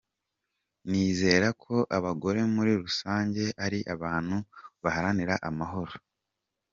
Nizera ko abagore muri rusange ari abantu baharanira amahoro.